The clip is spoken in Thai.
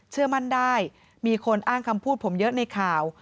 เชื่อมั่นได้มีคนอ้างคำพูดผมเยอะในข่าว